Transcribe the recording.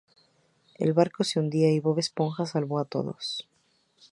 El barco se hundía y Bob Esponja salvó a todos.